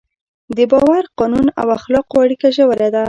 د باور، قانون او اخلاقو اړیکه ژوره ده.